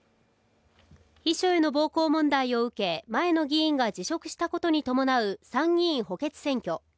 秘書への暴行問題を受け、前の議員が辞職したことに伴う参議院補欠選挙。